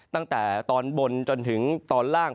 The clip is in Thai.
ตั้งแต่ตอนบนจนถึงตอนล่าง